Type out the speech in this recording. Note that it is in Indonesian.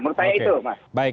menurut saya itu mas oke baik